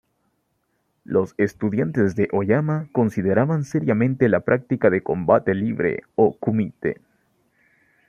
Los estudiantes de Oyama consideraban seriamente la práctica del combate libre o kumite.